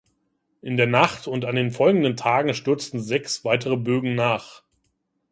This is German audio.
In der Nacht und an den folgenden Tagen stürzten sechs weitere Bögen nach.